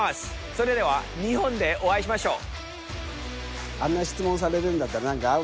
それでは日本でお会いしましょう。